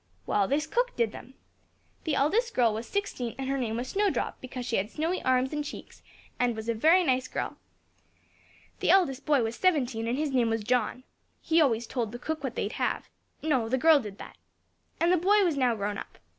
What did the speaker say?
Well, this cook did them. The eldest girl was sixteen, and her name was Snowdrop, because she had snowy arms and cheeks, and was a very nice girl. The eldest boy was seventeen, and his name was John. He always told the cook what they'd have no, the girl did that. And the boy was now grown up.